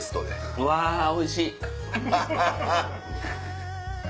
うわおいしい！